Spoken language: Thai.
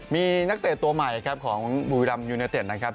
มีนักเตะตัวใหม่ครับของบุรีรัมยูเนเต็ดนะครับ